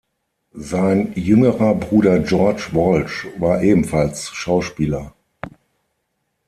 Sein jüngerer Bruder George Walsh war ebenfalls Schauspieler.